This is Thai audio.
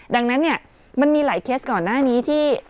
ดังนั้นเนี่ยมันมีหลายเคสก่อนหน้านี้ที่